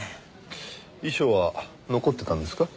遺書は残ってたんですか？